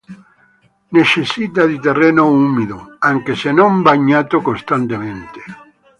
Necessita di terreno umido, anche se non bagnato costantemente.